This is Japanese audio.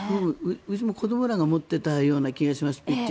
うちも子どもらが持っていたような気がしますピッチ。